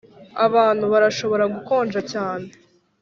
abantu barashobora gukonja cyane